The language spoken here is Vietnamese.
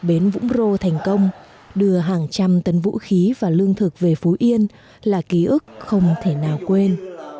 bến vũng rô thành công đưa hàng trăm tấn vũ khí và lương thực về phú yên là ký ức không thể nào quên